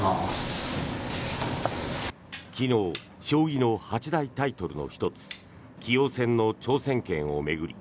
昨日将棋の八大タイトルの１つ棋王戦の挑戦権を巡り